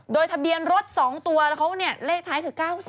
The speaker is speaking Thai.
โดยทะเบียนรถ๒ตัวแล้วเขาเนี่ยเลขท้ายคือ๙๓